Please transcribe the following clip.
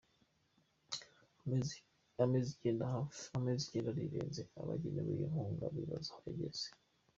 Amezi hafi icyenda arirenze, abagenewe iyo nkunga bibaza aho yaheze.